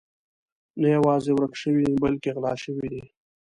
نه یوازې ورک شوي بلکې غلا شوي دي.